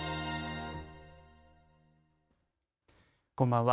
こんばんは。